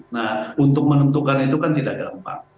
nah untuk menentukan itu kan tidak gampang